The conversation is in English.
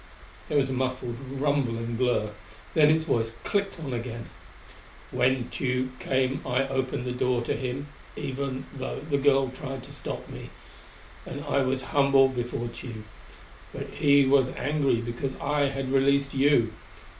There was a muffled, rumbling blur, then its voice clicked on again. "When Tugh came I opened the door to him, even though the girl tried to stop me.... And I was humble before Tugh.... But he was angry because I had released you.